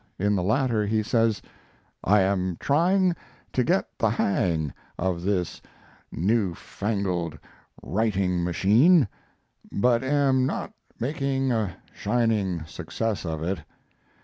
In the latter he says: I am trying to get the hang of this new fangled writing machine, but am not making a shining success of it.